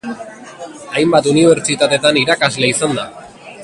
Hainbat unibertsitatetan irakasle izan da.